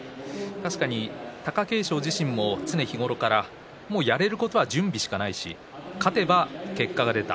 貴景勝自身もやれることは準備しかないし勝てば結果が出た